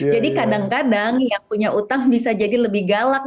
jadi kadang kadang yang punya hutang bisa jadi lebih galang